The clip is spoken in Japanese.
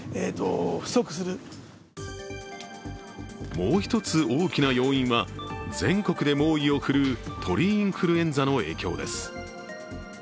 もう一つ、大きな要因は全国で猛威を振るう鳥インフルエンザの影響です。